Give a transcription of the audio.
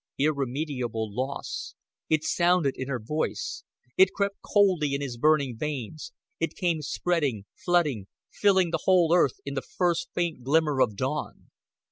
Irremediable loss it sounded in her voice, it crept coldly in his burning veins, it came spreading, flooding, filling the whole earth in the first faint glimmer of dawn.